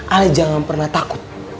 ali jangan pernah takut